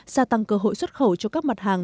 gia tăng cơ hội xuất khẩu cho các mặt hàng